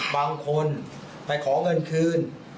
บางคนไปขอเงินคืน